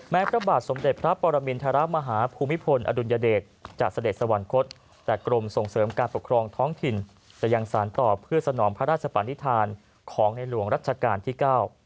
พระบาทสมเด็จพระปรมินทรมาฮาภูมิพลอดุลยเดชจะเสด็จสวรรคตแต่กรมส่งเสริมการปกครองท้องถิ่นจะยังสารต่อเพื่อสนองพระราชปณิธานของในหลวงรัชกาลที่๙